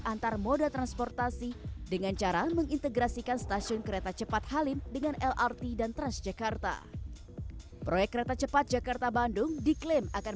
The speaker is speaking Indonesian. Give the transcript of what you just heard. manajemen pt kc ic memperhitungkan nilai investasi kereta cepat jakarta bandung akan